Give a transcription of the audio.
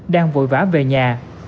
đang vội vã về nhà